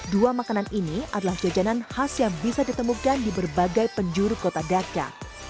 dua makanan ini adalah jajanan khas yang bisa ditemukan di berbagai penjuru kota dhaka